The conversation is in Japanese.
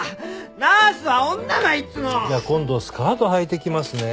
じゃあ今度スカートはいてきますね。